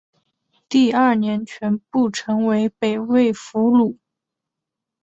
第二年全部成为北魏俘虏。